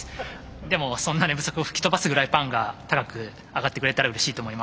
でもそんな寝不足を吹き飛ばすぐらいパンが高く上がってくれたらうれしいと思います。